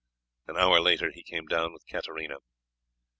An hour later he came down with Katarina.